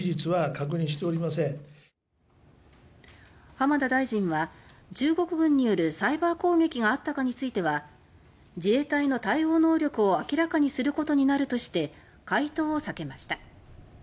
浜田大臣は中国軍によるサイバー攻撃があったかについては「自衛隊の対応能力を明らかにすることになる」として回答を避けました。